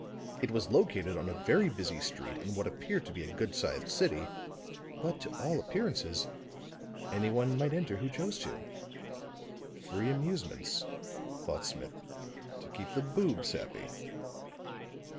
It was located on a very busy street in what appeared to be a good sized city; but, to all appearances, any one might enter who chose to. "Free amusements," thought Smith, "to keep the boobs happy."